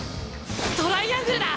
トライアングルだ！